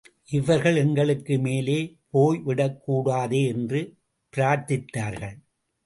இவர்கள் எங்களுக்கு மேலே போய் விடக்கூடாதே என்று பிரார்த்தித்தார்கள்.